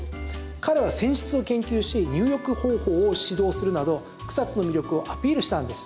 彼は、泉質を研究し入浴方法を指導するなど草津の魅力をアピールしたんです。